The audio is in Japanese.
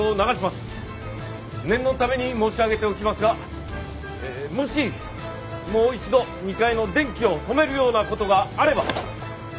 念のために申し上げておきますがもしもう一度２階の電気を止めるような事があれば。